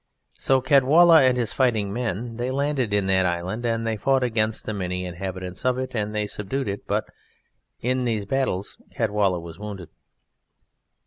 So Caedwalla and his fighting men, they landed in that island and they fought against the many inhabitants of it, and they subdued it, but in these battles Caedwalla was wounded.